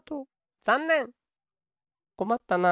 こまったな。